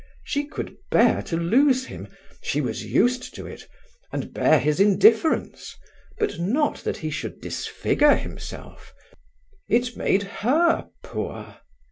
She could bear to lose him she was used to it and bear his indifference, but not that he should disfigure himself; it made her poor.